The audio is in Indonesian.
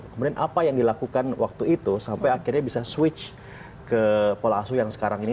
kemudian apa yang dilakukan waktu itu sampai akhirnya bisa switch ke pola asuh yang sekarang ini